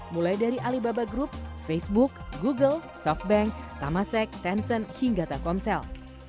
mulai dari alibaba group facebook google softbank tamasek tencent hingga telkomsel